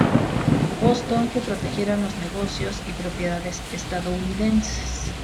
Boston que protegieran los negocios y propiedades estadounidenses.